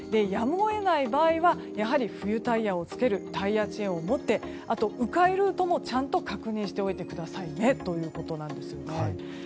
やむを得ない場合は冬タイヤをつけるタイヤチェーンを持ってあとは迂回ルートもちゃんと確認しておいてくださいねということなんです。